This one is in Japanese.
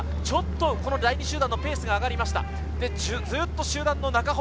ちょっと第２集団のペースが上がりました。